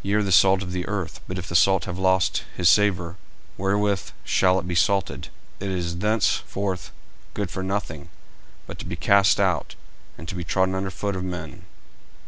40:005:013 Ye are the salt of the earth: but if the salt have lost his savour, wherewith shall it be salted? it is thenceforth good for nothing, but to be cast out, and to be trodden under foot of men.